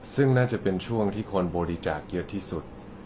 ซึ่งน่าจะเป็นช่วงที่คนบริจาคเยอะที่สุด